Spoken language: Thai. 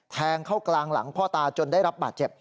แทงเข้ากลางหลังพ่อตาจนได้รับบาดเจ็บ